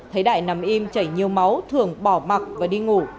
thấy đại nằm im chảy nhiều máu thưởng bỏ mặc và đi ngủ